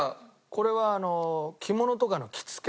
これはあの着物とかの着付け。